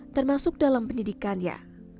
termasuk dalam pendidikannya